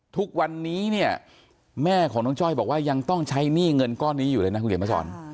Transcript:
ทุกวันนี้เนี่ยแม่ของน้องจ้อยบอกว่ายังต้องใช้หนี้เงินก้อนนี้อยู่เลยนะคุณเขียนมาสอน